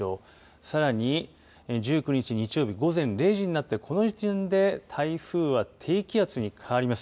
さらに１９日日曜日、午前０時になってこの時点で台風は低気圧に変わります。